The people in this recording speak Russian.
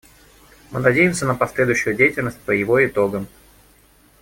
Мы надеемся на последующую деятельность по его итогам.